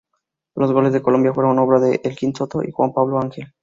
Los goles de Colombia fueron obra de Elkin Soto y Juan Pablo Ángel.